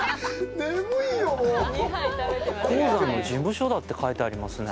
鉱山の事務所だって書いてありますね。